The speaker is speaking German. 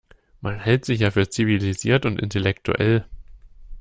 Man hält sich ja für zivilisiert und intellektuell.